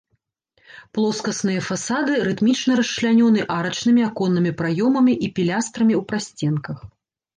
Плоскасныя фасады рытмічна расчлянёны арачнымі аконнымі праёмамі і пілястрамі ў прасценках.